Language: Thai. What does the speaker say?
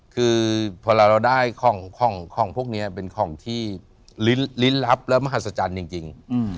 คือพอเราได้ของพวกนี้เป็นของที่ลิ้นลับและมหัศจรรย์จริง